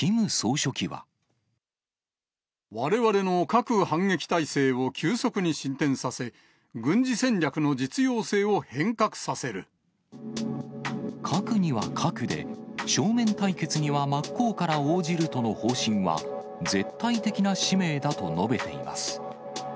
われわれの核反撃態勢を急速に進展させ、核には核で、正面対決には真っ向から応じるとの方針は、絶対的な使命だと述べています。